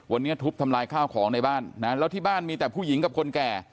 วันนี้ทุบทำลายข้าวของในบ้านนะแล้วที่บ้านมีแต่ผู้หญิงกับคนแก่